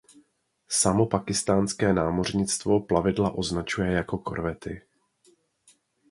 Samo pákistánské námořnictvo plavidla označuje jako korvety.